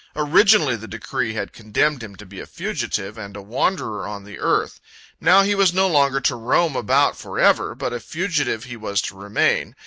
Originally, the decree had condemned him to be a fugitive and a wanderer on the earth. Now he was no longer to roam about forever, but a fugitive he was to remain.